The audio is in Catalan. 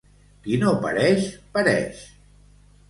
Qui no pareix, pereix.